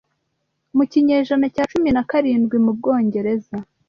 Mu kinyejana cya cumi na karindwi mu Bwongereza